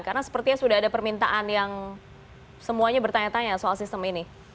karena sepertinya sudah ada permintaan yang semuanya bertanya tanya soal sistem ini